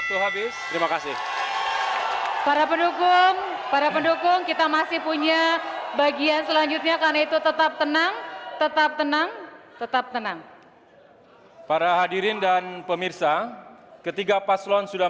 kami berdua datang membawa pengalaman